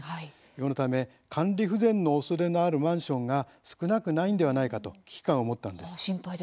そのため、管理不全のおそれのあるマンションが少なくないんではないかと危機感を持ったんです。